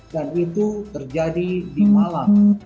dan itu terjadi di malam